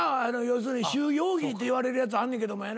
要するに収容費っていわれるやつあんねんけどもや